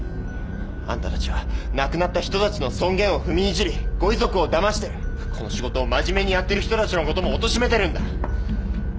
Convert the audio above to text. あんたたちは亡くなった人たちの尊厳を踏みにじりご遺族をだましてこの仕事を真面目にやってる人たちのこともおとしめてるんだ！